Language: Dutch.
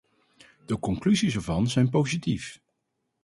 De conclusies ervan zijn positief.